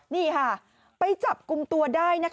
นี่ค่ะไปจับกุมตัวได้